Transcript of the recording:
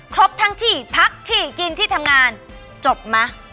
ครบทั้งที่พักที่กินที่ทำงานจบไหม